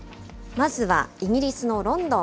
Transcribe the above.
まずはイギリスのロンドン。